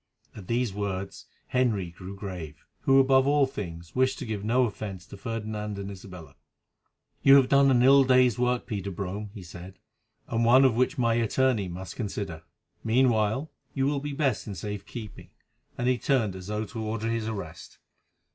At these words Henry grew grave, who, above all things, wished to give no offence to Ferdinand and Isabella. "You have done an ill day's work, Peter Brome," he said, "and one of which my attorney must consider. Meanwhile, you will be best in safe keeping," and he turned as though to order his arrest.